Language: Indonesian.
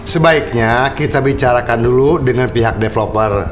sebaiknya kita bicarakan dulu dengan pihak developer